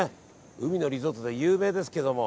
海のリゾートで有名ですけど。